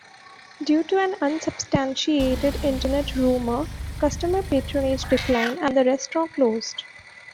Due to an unsubstantiated internet rumor, customer patronage declined and the restaurant closed.